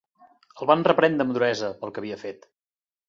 El van reprendre amb duresa pel que havia fet.